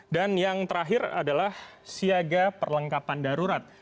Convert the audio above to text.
dan yang terakhir adalah siaga perlengkapan darurat